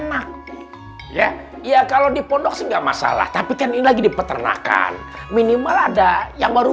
enak ya iya kalau dipodok sehingga masalah tapi kan ini lagi di peternakan minimal ada yang baru